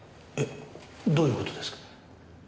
えっどういう事ですか？